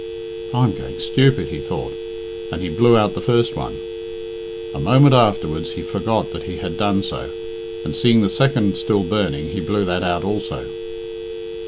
"I'm going stupid," he thought, and he blew out the first one. A moment afterwards he forgot that he had done so, and seeing the second still burning, he blew that out also.